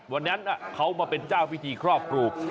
วันนั้นเขามาเป็นเจ้าพิธีครอบครู